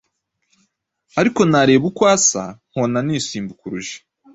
ariko nareba uko asa nkona nisimbukuruje